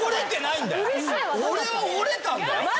俺は折れたんだよ。